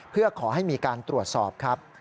เพื่อขอให้มีการตรวจสอบครับ